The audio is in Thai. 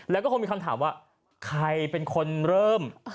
แล้วก็คงมีคำถามว่าใครเป็นคนเริ่ม